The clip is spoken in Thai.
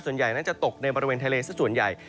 ส่วนใหญ่นั้นจะตกในบริเวณทะเลสักส่วนใหญ่